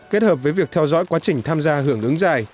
kết hợp với việc theo dõi quá trình tham gia hưởng ứng dài